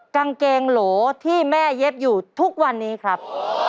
กางเกงโหลที่แม่เย็บอยู่ทุกวันนี้ครับ